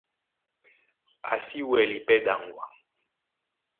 A si wɛlɛ́ pɛ́ ɗaŋgwa.